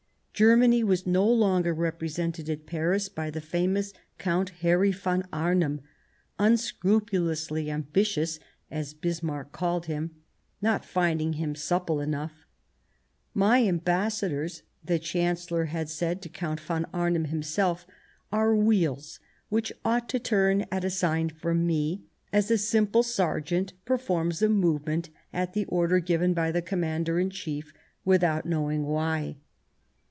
Germany was no longer represented at Paris by the famous Count Harry von Arnim, unscrupulously ambitious, as Bismarck called him, not finding him supple enough, " My ambassadors," the Chan cellor had said to Count von Arnim himself, " are wheels Vv^hich ought to turn at a sign from me, as a simple sergeant performs a movement, at the order given by the Commander in Chief, without know ing why."